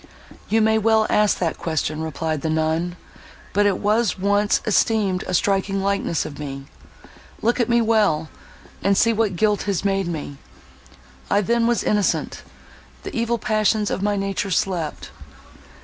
"You may well ask that question," replied the nun,—"but it was once esteemed a striking likeness of me. Look at me well, and see what guilt has made me. I then was innocent; the evil passions of my nature slept.